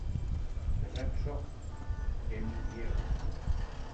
Casat sóc, què m'hi dieu?